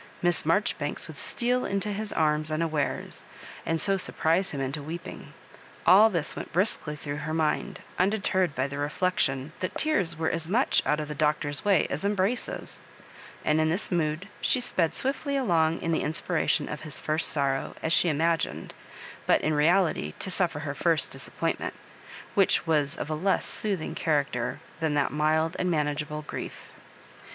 Miss Marjoribanks would steal into his arms unawares, and so sur prise him into weeping. All this went briskly through her mind, undeterred by the reflection that tears were as much out of the Doctor's way as embraces ; and in this mood she sped swiftly along in the inspiration of his first sorrow, as she imagined, but in reality to suffer her first disappointment, which was of a less soothing character than that mild and manageable grief.